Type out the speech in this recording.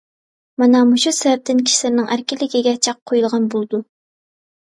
مانا مۇشۇ سەۋەبتىن كىشىلەرنىڭ ئەركىنلىكىگە چەك قويۇلغان بولىدۇ.